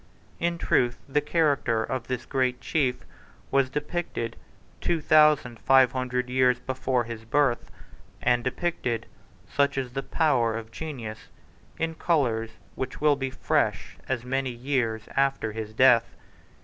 In truth, the character of this great chief was depicted two thousand five hundred years before his birth, and depicted, such is the power of genius, in colours which will be fresh as many years after his death.